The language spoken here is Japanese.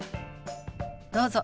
どうぞ。